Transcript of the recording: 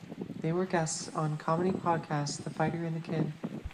They were guests on comedy podcast "The Fighter and the Kid".